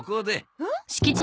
えっ？